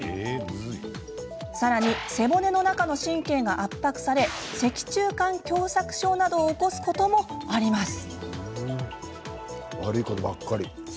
さらに背骨の中の神経が圧迫され脊柱管狭さく症などを起こすこともあります。